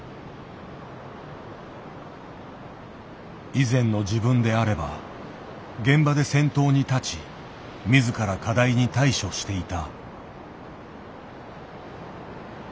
以前の自分であれば現場で先頭に立ち自ら課題に対処していた。